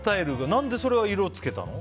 何で、その色をつけたの？